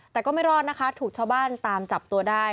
แต่ก็ไม่รอดนะคะถูกชาวบ้านตามจับตัวได้